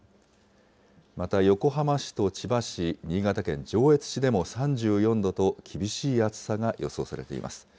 また横浜市と千葉市、新潟県上越市でも３４度と、厳しい暑さが予想されています。